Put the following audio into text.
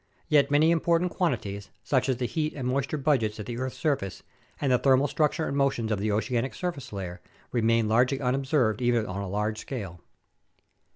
Yet many important quantities, such as the heat and moisture budgets at the earth's surface and the thermal structure and motions of the oceanic surface layer, remain largely unobserved on even a local scale.